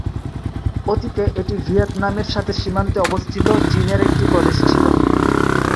অতীতে এটি ভিয়েতনামের সাথে সীমান্তে অবস্থিত চীনের একটি প্রদেশ ছিল।